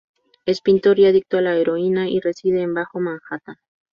Es pintor y adicto a la heroína, y reside en Bajo Manhattan.